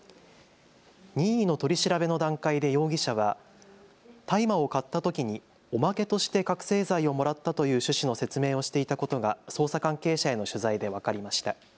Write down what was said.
任意の取り調べの段階で容疑者は大麻を買ったときにおまけとして覚醒剤をもらったという趣旨の説明をしていたことが捜査関係者への取材で分かりました。